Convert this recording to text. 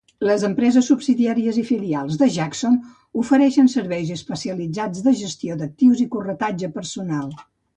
Les empreses subsidiàries i filials de Jackson ofereixen serveis especialitzats de gestió d'actius i corretatge personal.